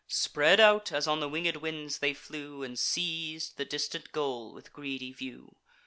Spread out, as on the winged winds, they flew, And seiz'd the distant goal with greedy view.